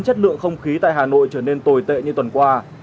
chất lượng không khí tại hà nội trở nên tồi tệ như tuần qua